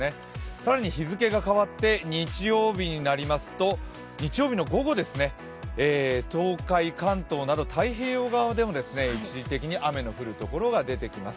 更に日付が変わって日曜日になりますと日曜日の午後、東海、関東など太平洋側でも一時的に雨の降る所が出てきます。